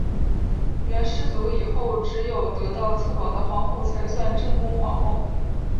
元世祖以后只有得到策宝的皇后才算正宫皇后。